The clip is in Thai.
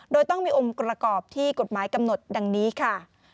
โดยต้องมีองค์ประกอบที่กฎหมายกำหนดดังนี้ค่ะ